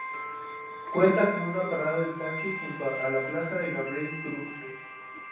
Cuenta con una parada de taxi junto a la plaza de Gabriel Cruz.